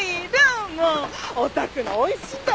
もうお宅の美味しいんだもの。